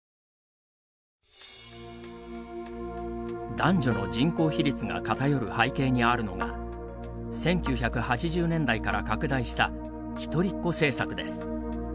男女の人口比率が偏る背景にあるのが１９８０年代から拡大した一人っ子政策です。